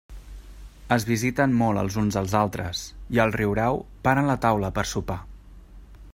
Es visiten molt els uns als altres, i al riurau paren la taula per a sopar.